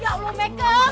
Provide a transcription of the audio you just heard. ya allah mekel